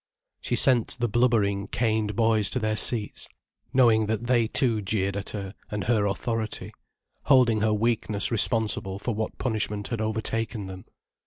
She sent the blubbering, caned boys to their seats, knowing that they too jeered at her and her authority, holding her weakness responsible for what punishment had overtaken them.